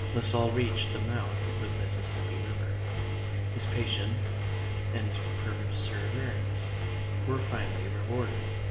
La Salle reached the mouth of the Mississippi River. His patience and persever ance were finally rewarded.